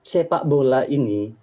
sepak bola ini